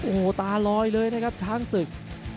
โอ้โหตาลอยเลยนะครับช้างศึก